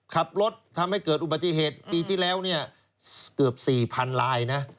ขับรถทำให้เกิดอุบัติเหตุปีที่แล้วเนี่ยเกือบ๔๐๐๐ลายนะ